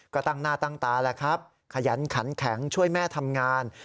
ก็ตั้งหน้าตั้งตาแล้วครับขยันขันแข็งช่วยแม่ทำงาน